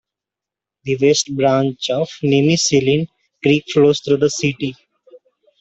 The West Branch of Nimishillen Creek flows through the city.